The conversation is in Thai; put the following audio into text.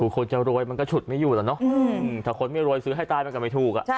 คนจะรวยมันก็ฉุดไม่อยู่แล้วเนอะถ้าคนไม่รวยซื้อให้ตายมันก็ไม่ถูก